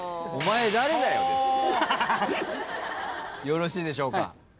よろしいでしょうか？